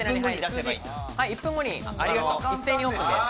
１分後に一斉にオープンです。